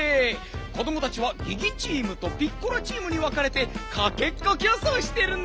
子どもたちはギギチームとピッコラチームにわかれてかっけっこきょうそうしてるのねん！